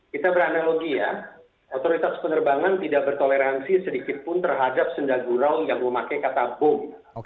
kita beranalogi ya otoritas penerbangan tidak bertoleransi sedikitpun terhadap sendagurau yang memakai kata bom